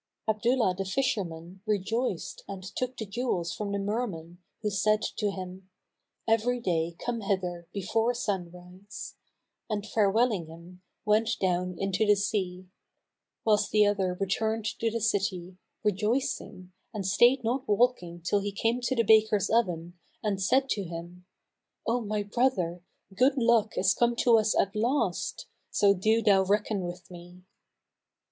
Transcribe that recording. Abdullah the fisherman rejoiced and took the jewels from the Merman who said to him, "Every day come hither, before sunrise," and farewelling him, went down into the sea; whilst the other returned to the city, rejoicing, and stayed not walking till he came to the baker's oven and said to him, "O my brother, good luck is come to us at last; so do thou reckon with me."